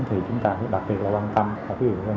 thì chúng ta đặc biệt quan tâm